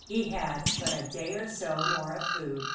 He had but a day or so more of food.